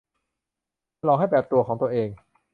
ฉลองให้แบบตัวของตัวเอง